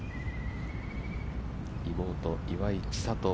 妹・岩井千怜。